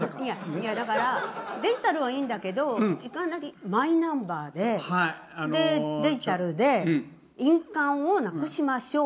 いやだからデジタルはいいんだけどマイナンバーでデジタルで印鑑をなくしましょう。